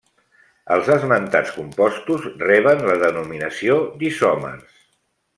Els esmentats composts reben la denominació d'isòmers.